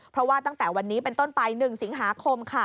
เพราะว่าตั้งแต่วันนี้เป็นต้นไป๑สิงหาคมค่ะ